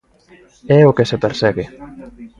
É o que se persegue.